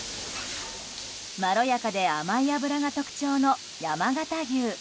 まろやかで甘い脂が特徴の山形牛。